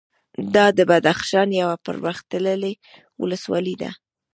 دا د بدخشان یوه پرمختللې ولسوالي ده